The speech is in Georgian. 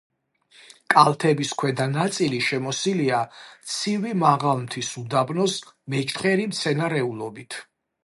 კალთების ქვედა ნაწილი შემოსილია ცივი მაღალმთის უდაბნოს მეჩხერი მცენარეულობით.